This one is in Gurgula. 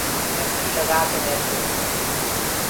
لڪڙيٚ لگآڪي ٻيٺَگو تو